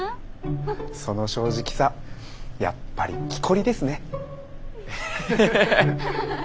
その正直さやっぱりきこりですね。